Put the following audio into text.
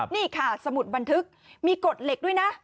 นี่ค่ะสมุดบันทึกมีกฎเหล็กด้วยนะ